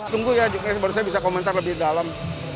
tunggu ya baru saya bisa komentar lebih dalam